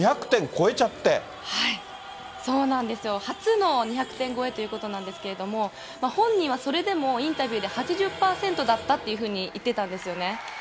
初の２００点超えということなんですけれども、本人はそれでもインタビューで８０％だったというふうに言ってたんですよね。